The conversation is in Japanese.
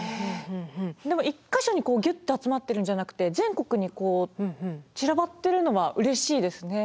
でも１か所にギュッと集まってるんじゃなくて全国に散らばってるのはうれしいですね。